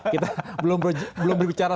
kita belum berbicara